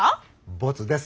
ボツです。